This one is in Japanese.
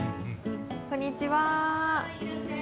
こんにちは。